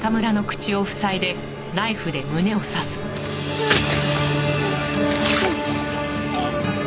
うっ！